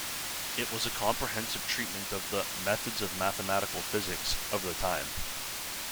It was a comprehensive treatment of the "methods of mathematical physics" of the time.